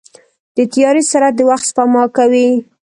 د طیارې سرعت د وخت سپما کوي.